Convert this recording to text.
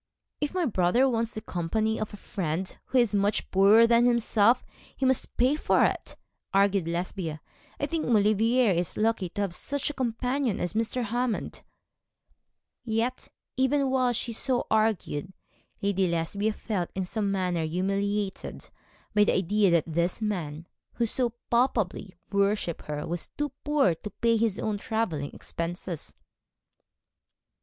'If my brother wants the company of a friend who is much poorer than himself, he must pay for it,' argued Lesbia. 'I think Maulevrier is lucky to have such a companion as Mr. Hammond.' Yet, even while she so argued, Lady Lesbia felt in some manner humiliated by the idea that this man who so palpably worshipped her was too poor to pay his own travelling expenses.